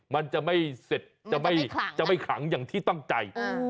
มันจะไม่เสร็จจะไม่ขังอย่างที่ตั้งใจ